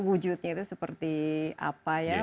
wujudnya itu seperti apa ya